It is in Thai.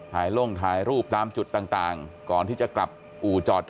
ลงถ่ายรูปตามจุดต่างก่อนที่จะกลับอู่จอด